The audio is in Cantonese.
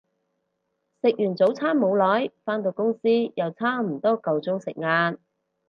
食完早餐冇耐，返到公司又差唔多夠鐘食晏